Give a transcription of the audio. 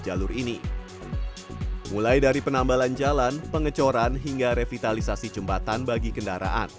jalur ini mulai dari penambalan jalan pengecoran hingga revitalisasi jembatan bagi kendaraan